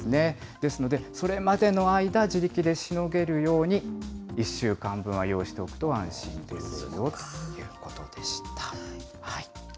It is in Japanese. ですので、それまでの間、自力でしのげるように１週間分は用意しておくと安心ですよということでした。